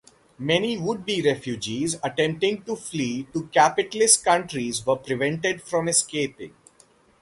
Many would-be refugees attempting to flee to capitalist countries were prevented from escaping.